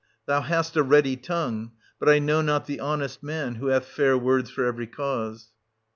Thou hast a ready tongue, but I know not the honest man who hath fair words for every cause.